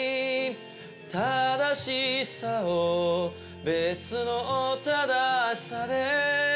「正しさを別の正しさで」